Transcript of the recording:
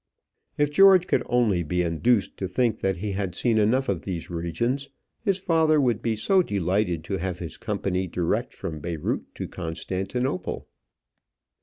If George could only be induced to think that he had seen enough of these regions, his father would be so delighted to have his company direct from Beyrout to Constantinople!